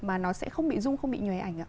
mà nó sẽ không bị dung không bị nhòe ảnh